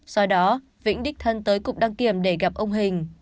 sau đó vĩnh đích thân tới cục đăng kiểm để gặp ông hình